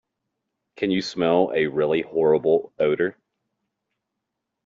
Can you smell a really horrible odour?